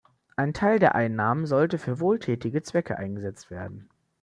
Ein Teil der Einnahmen sollte für wohltätige Zwecke eingesetzt werden.